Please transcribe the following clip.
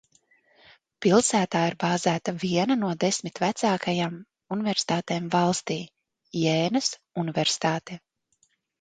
Pilsētā ir bāzēta viena no desmit vecākajām universitātēm valstī – Jēnas universitāte.